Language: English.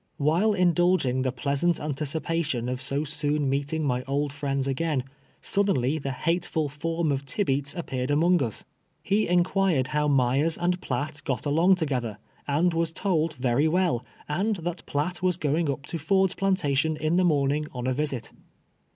While indulging the pleasant antieii)ation of so soon meeting my old friends again, suddenly the luiteful ft)rm of Tibeats appeared among us. ITe inquired how ]^^yers and Blatt got along together, and was told, very well, and that IMatt wius going up to Ford's plantation in the morning (.»n a visit.